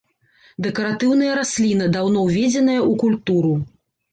Дэкаратыўная расліна, даўно уведзеная ў культуру.